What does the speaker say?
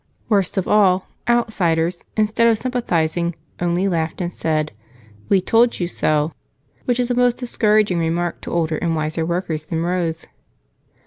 Worst of all, outsiders, instead of sympathizing, only laughed and said, "We told you so," which is a most discouraging remark to older and wiser workers than Rose.